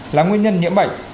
là nguyên nhân nhiễm bệnh